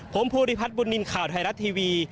ผมภูริพัฒน์บุญนินทร์ข่าวไทยรัฐทีวี